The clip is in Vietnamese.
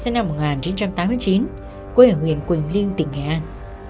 năm một nghìn chín trăm tám mươi chín quê ở huyền quỳnh liêu tỉnh nghệ an